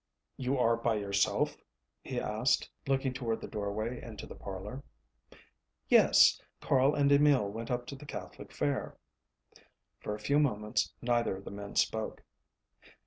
"You are by yourself?" he asked, looking toward the doorway into the parlor. "Yes. Carl and Emil went up to the Catholic fair." For a few moments neither of the men spoke.